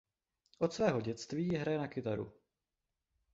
Od svého dětství hraje na kytaru.